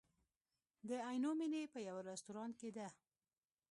د عینومېنې په یوه رستورانت کې ده.